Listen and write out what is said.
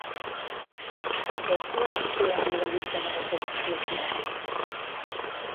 Afegeix lunacy a la meva llista de reproducció chill out